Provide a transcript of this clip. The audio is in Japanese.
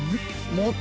もっと！